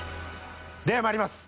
ではまいります。